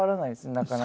なかなか。